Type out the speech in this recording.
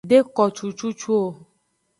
De ko cucucu o.